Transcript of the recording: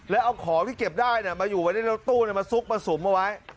แล้วเอาของที่เก็บได้มาอยู่ไว้ในรถตู้มาซุกมาสุมเอาไว้